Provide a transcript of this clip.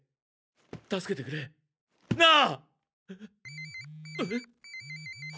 助けてくれなあ！